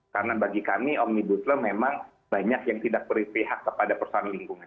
karena bagi kami omnibus law memang banyak yang tidak berpihak kepada persoalan lingkungan